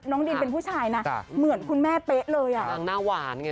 ดินเป็นผู้ชายนะเหมือนคุณแม่เป๊ะเลยอ่ะนางหน้าหวานไง